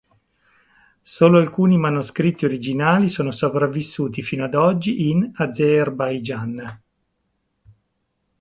Solo alcuni manoscritti originali sono sopravvissuti fino ad oggi in Azerbaigian.